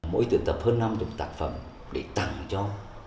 mỗi tuyển tập hơn năm mươi tạc phẩm để tặng cho